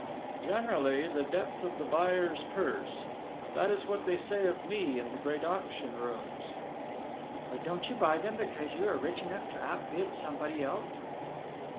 "Generally the depth of the buyer's purse. That is what they say of me in the great auction rooms." "But you don't buy them just because you are rich enough to outbid somebody else?"